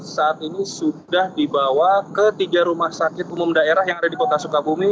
saat ini sudah dibawa ke tiga rumah sakit umum daerah yang ada di kota sukabumi